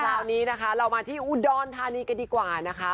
คราวนี้นะคะเรามาที่อุดรธานีกันดีกว่านะคะ